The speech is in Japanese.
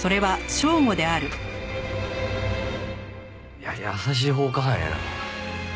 いや優しい放火犯やな。